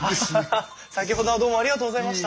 先ほどはどうもありがとうございました。